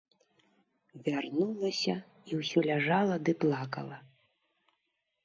Вярнулася і ўсё ляжала ды плакала.